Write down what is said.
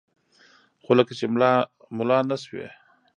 خو لکه چې ملا نه سوې.